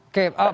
oke pak wagub